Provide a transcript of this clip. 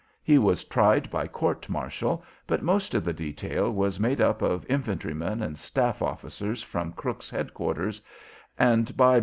He was tried by court martial, but most of the detail was made up of infantrymen and staff officers from Crook's head quarters, and, by